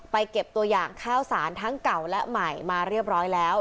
เก็บตัวอย่างข้าวสารทั้งเก่าและใหม่มาเรียบร้อยแล้ว